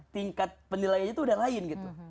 tingkat penilaiannya itu udah lain gitu